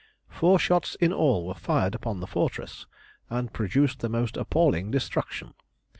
Four shots in all were fired upon the fortress, and produced the most appalling destruction.